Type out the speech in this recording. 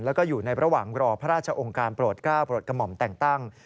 แล้วก็อยู่ในระหว่างรอพระราชองค์การโปรดก้าวโปรดกระหม่อมแต่งตั้ง